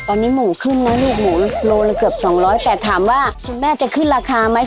ตอนนี้หมูขึ้นนะลูกหมูโลละเกือบสองร้อยแต่ถามว่าคุณแม่จะขึ้นราคาไหม